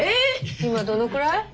今どのくらい？